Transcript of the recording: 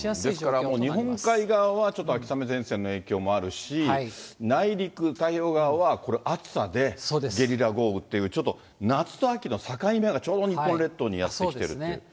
ですから日本海側はちょっと秋雨前線の影響もあるし、内陸、太平洋側は、これ、暑さでゲリラ豪雨っていう、ちょっと夏と秋の境目がちょうど日本列島にやって来てるっていう。